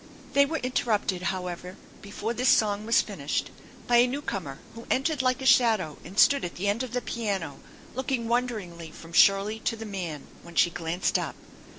They were interrupted, however, before this song was finished by a newcomer who entered like a shadow and stood at the end of the piano looking wonderingly from Shirley to the man, when she glanced up.